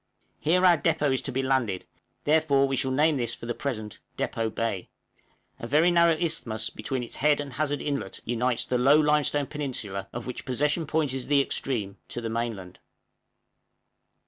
Here our depôt is to be landed, therefore we shall name this for the present Depôt Bay; a very narrow isthmus between its head and Hazard Inlet unites the low limestone peninsula, of which Possession Point is the extreme, to the mainland.